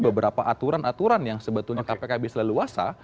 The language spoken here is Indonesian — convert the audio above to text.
beberapa aturan aturan yang sebetulnya kpk bisa leluasa